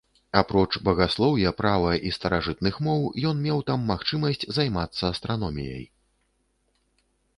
Апроч багаслоўя, права і старажытных моў, ён меў там магчымасць займацца і астраноміяй.